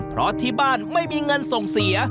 เพราะที่บ้านไม่มีเงินส่งเสีย